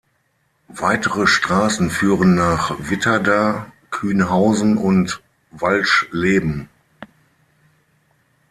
Weitere Straßen führen nach Witterda, Kühnhausen und Walschleben.